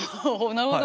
なるほど。